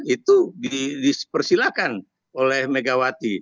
itu dipersilakan oleh megawati